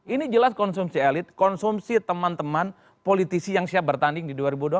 ini jelas konsumsi elit konsumsi teman teman politisi yang siap bertanding di dua ribu dua puluh